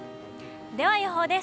では予報です。